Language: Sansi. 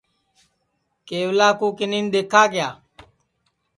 کیولا کُوکِنیں دیکھا کیا